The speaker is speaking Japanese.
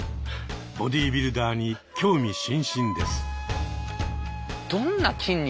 ボディービルダーに興味津々です。